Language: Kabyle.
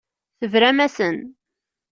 Tebram-asen.